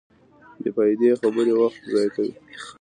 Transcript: بېفائدې خبرې وخت ضایع کوي.